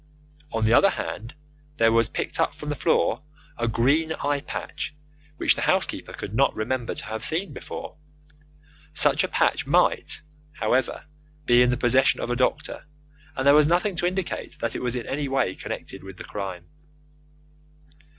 On the other hand, there was picked up from the floor a green eye patch, which the housekeeper could not remember to have seen before. Such a patch might, however, be in the possession of a doctor, and there was nothing to indicate that it was in any way connected with the crime.